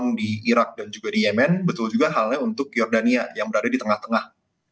kelompok kelompok iran di syria di lebanon di irak dan juga di yemen betul juga halnya untuk yordania yang berada di tengah tengah